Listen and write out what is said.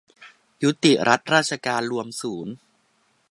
ยุติรัฐราชการรวมศูนย์